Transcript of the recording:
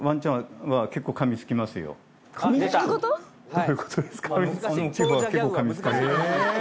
どういうことですか？